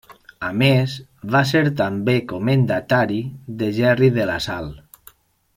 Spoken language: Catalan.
A més, va ser també comendatari de Gerri de la Sal.